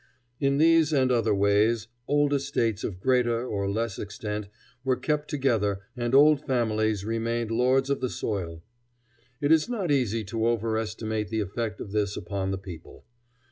In these and other ways, old estates of greater or less extent were kept together, and old families remained lords of the soil. It is not easy to overestimate the effect of this upon the people.